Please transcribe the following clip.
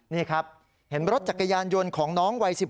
นี่ครับเห็นรถจักรยานยนต์ของน้องวัย๑๖